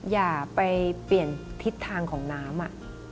อย่าไปเปลี่ยนทิศทางของน้ำ